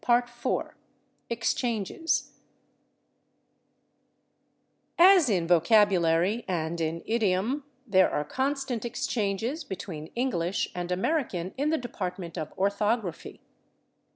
" § 4 /Exchanges/ As in vocabulary and in idiom, there are constant exchanges between English and American in the department of orthography.